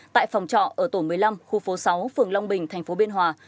tại phòng trọ ở tổ một mươi năm khu phố sáu phường long bình thành phố biên hòa